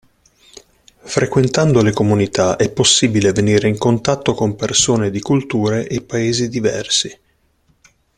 Frequentando le comunità è possibile venire in contatto con persone di culture e Paesi diversi.